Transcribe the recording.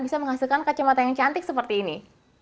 bisa menghasilkan kacamata yang cantik seperti ini